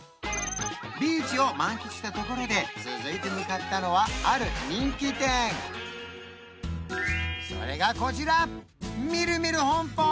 ビーチを満喫したところで続いて向かったのはある人気店それがこちら！